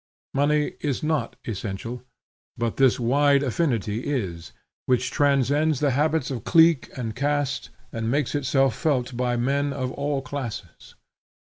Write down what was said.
Money is not essential, but this wide affinity is, which transcends the habits of clique and caste and makes itself felt by men of all classes.